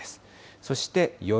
そして夜。